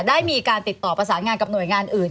ได้มีการติดต่อประสานงานกับหน่วยงานอื่น